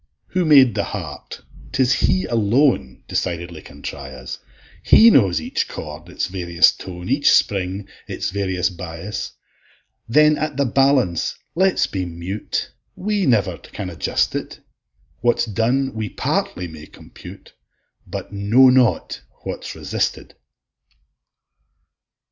Who made the heart, 'tis He alone Decidedly can try us; He knows each chord, its various tone, Each spring, its various bias: Then at the balance let's be mute, We never can adjust it; What's done we partly may compute, But know not what's resisted.